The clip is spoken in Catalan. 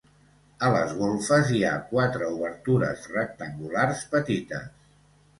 A les golfes, hi ha quatre obertures rectangulars petites.